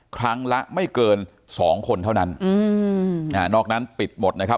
ครั้งละไม่เกินสองคนเท่านั้นอืมอ่านอกนั้นปิดหมดนะครับ